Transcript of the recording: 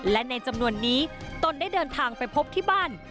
และในจำนวนนี้ตนได้เดินทางไปพบที่บ้าน